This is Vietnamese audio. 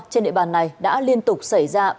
trên địa bàn này đã liên tục xảy ra